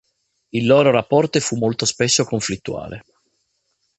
Il loro rapporto fu molto spesso conflittuale.